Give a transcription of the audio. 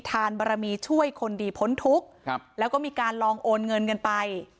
บารมีช่วยคนดีพ้นทุกข์ครับแล้วก็มีการลองโอนเงินกันไป